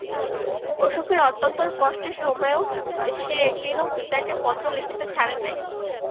অসুখের অত্যন্ত কষ্টের সময়ও সে একদিনও পিতাকে পত্র লিখিতে ছাড়ে নাই।